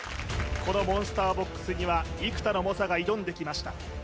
このモンスターボックスには幾多の猛者が挑んできました